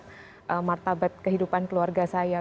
dengan martabat kehidupan keluarga saya